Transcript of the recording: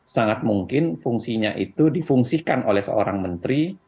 sangat mungkin fungsinya itu difungsikan oleh seorang menteri